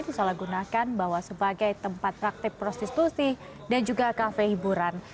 disalahgunakan bahwa sebagai tempat praktik prostitusi dan juga kafe hiburan